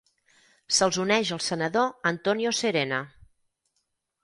Se’ls uneix el senador Antonio Serena.